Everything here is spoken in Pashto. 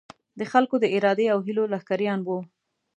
د خلکو د ارادې او هیلو لښکریان وو.